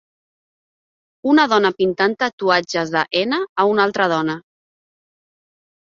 Una dona pintant tatuatges de henna a una altra dona.